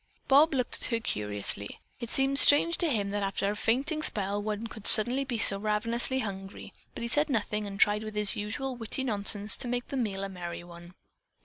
Bob looked at her curiously. It seemed strange to him that after a fainting spell one could suddenly be so ravenously hungry, but he said nothing and tried with his usual witty nonsense to make the meal a merry one.